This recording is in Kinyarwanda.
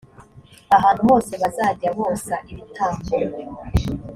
ahantu hose bazajya bosa ibitambo